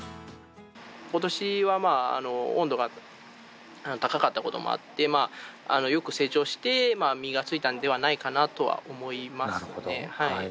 ことしはまあ、温度が高かったこともあって、まあよく成長して、実がついたんではないかなとは思いますね。